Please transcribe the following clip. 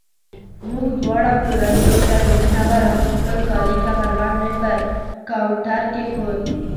موږ دواړه پلورنځۍ ته دننه ورغلو، خپل خالي کمربند مې پر کاونټر کېښود.